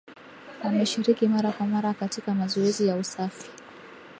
Wameshiriki mara kwa mara katika mazoezi ya usafi